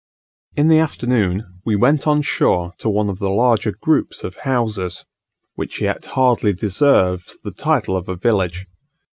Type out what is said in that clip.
In the afternoon we went on shore to one of the larger groups of houses, which yet hardly deserves the title of a village.